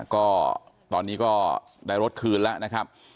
ก็ตอนนี้ก็ได้รถคืนแล้วนะครับ